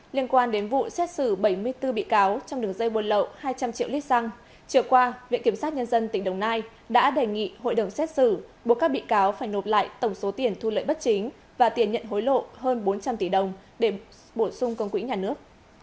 liên quan đến vụ xét xử bảy mươi bốn bị cáo trong đường dây buôn lậu hai trăm linh triệu lít xăng chiều qua viện kiểm sát nhân dân tỉnh đồng nai đã đề nghị hội đồng xét xử buộc các bị cáo phải nộp lại tổng số tiền thu lợi bất chính và tiền nhận hối lộ hơn bốn trăm linh tỷ đồng để bổ sung công quỹ nhà nước